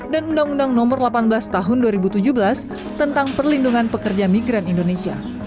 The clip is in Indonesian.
dan undang undang nomor delapan belas tahun dua ribu tujuh belas tentang perlindungan pekerja migran indonesia